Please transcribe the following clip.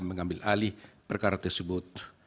mengambil alih perkara tersebut